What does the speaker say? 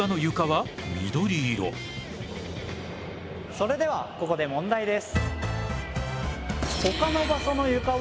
それではここで問題です。